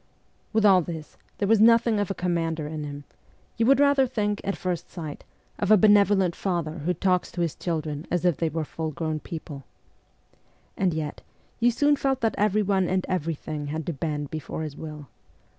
With all this there was nothing of a commander in him; you would rather think, at first sight, of a benevolent father who talks to his children as if they were full grown people. And yet, you soon felt that everyone and everything had to bend before his will.